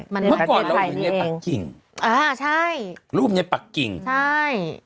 เมื่อก่อนเราเห็นในปากกิ่งอ่าใช่รูปในปากกิ่งใช่